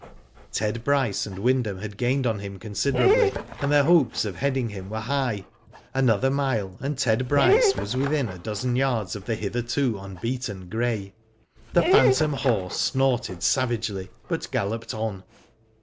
Ted Bryce and Wyndham had gained on him considerably, and their hopes of heading him were high. Another mile, and Ted Bryce was within a dozen yards of the hitherto unbeaten grey. The phantom horse snorted savagely, but galloped on.